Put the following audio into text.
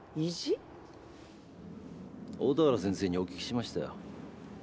大田原先生にお聞きしましたよ。